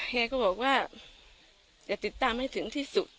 แกก็บอกว่าอย่าติดตามให้ถึงที่สุด